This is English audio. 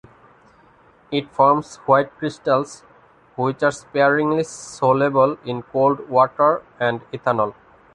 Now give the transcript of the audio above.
It forms white crystals, which are sparingly soluble in cold water and ethanol.